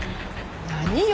何よ？